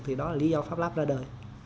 thì đó là lý do pháp lab ra đời